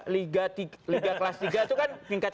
liga kelas tiga itu kan tingkat